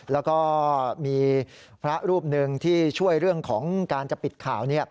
แล้วก็มีพระรูปหนึ่งที่ช่วยเรื่องของการจะปิดข่าว